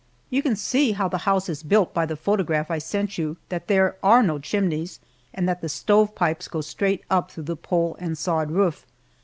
You can see how the house is built by the photograph I sent you, that there are no chimneys, and that the stovepipes go straight up through the pole and sod roof.